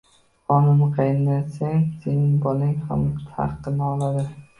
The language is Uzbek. Qonimni qaynatsang, sening bolang ham haqqini oladi.